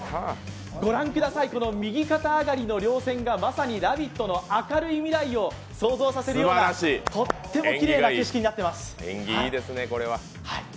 ご覧ください、右肩上がりのりょう線がまさに「ラヴィット！」の明るい未来を創造させるようなとってもきれいな景色になっています。